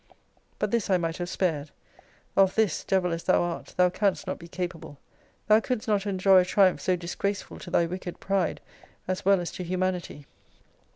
But this I might have spared. Of this, devil as thou art, thou canst not be capable. Thou couldst not enjoy a triumph so disgraceful to thy wicked pride, as well as to humanity.